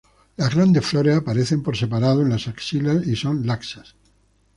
Las grandes flores aparecen por separado en las axilas y son laxas.